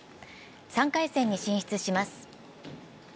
３回戦に進出します。